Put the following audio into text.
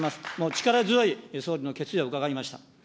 力強い総理の決意を伺いました。